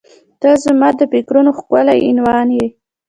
• ته زما د فکرونو ښکلی عنوان یې.